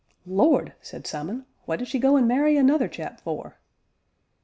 "Lord!" said Simon, "what did she go and marry another chap for?"